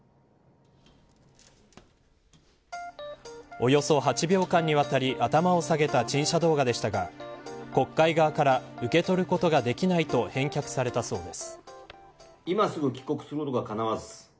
およそ８秒間にわたり頭を下げた陳謝動画でしたが国会側から受け取ることができないと返却されたそうです。